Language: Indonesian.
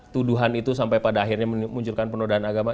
tuduhan itu sampai pada akhirnya memunculkan penodaan agama